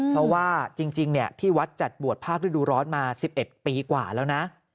เพราะว่าจริงที่วัดจัดบวชภาคฤดูร้อนมา๑๑ปีกว่าแล้วนะ